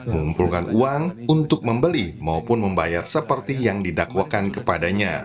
mengumpulkan uang untuk membeli maupun membayar seperti yang didakwakan kepadanya